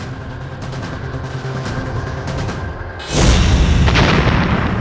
kau harus bisa mengalahkannya